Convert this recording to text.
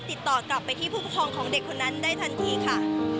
ติดต่อกลับไปที่ผู้ปกครองของเด็กคนนั้นได้ทันทีค่ะ